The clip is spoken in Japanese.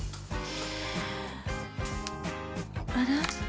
あら？